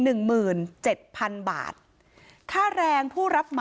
ตำรวจบอกว่าภายในสัปดาห์เนี้ยจะรู้ผลของเครื่องจับเท็จนะคะ